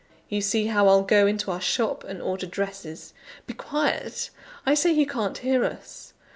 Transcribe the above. You see how I'll go into our shop and order dresses! (be quiet! I say he can't hear us).